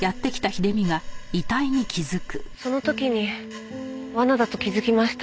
その時に罠だと気づきました。